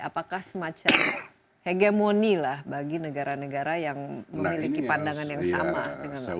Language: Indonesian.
apakah semacam hegemoni lah bagi negara negara yang memiliki pandangan yang sama dengan indonesia